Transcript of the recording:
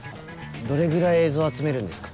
どれぐらい映像集めるんですか？